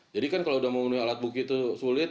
jadi kan kalau sudah memenuhi alat bukti itu sulit